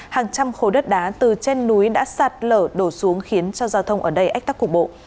hàng trăm khối đất đá từ trên núi đã sạt lở đổ xuống khiến cho giao thông ở đây ách tắc cục bộ